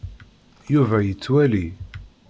Yuba yettwali.